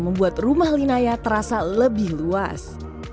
membuat rumah linaya terasa lebih luas